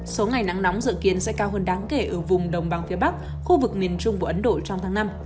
số ngày nắng nóng dự kiến sẽ cao hơn đáng kể ở vùng đồng bằng phía bắc khu vực miền trung của ấn độ trong tháng năm